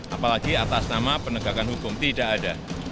apalagi atas nama penegakan hukum tidak ada